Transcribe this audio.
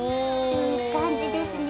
いい感じですね。